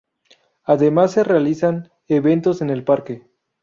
Además se realizan eventos en el parque.